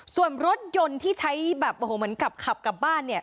ส่วนรถยนต์ที่ใช้แบบโอ้โหเหมือนกับขับกลับบ้านเนี่ย